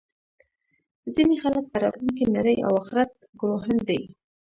ځینې خلک په راتلونکې نړۍ او اخرت ګروهن دي